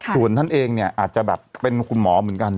ส่วนท่านเองเนี่ยอาจจะแบบเป็นคุณหมอเหมือนกัน